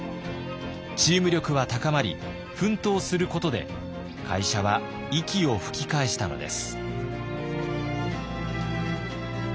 チーム力は高まり奮闘することで会社は息を吹き返したのです。